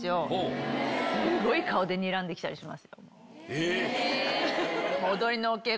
えっ！